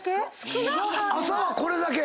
これだけ？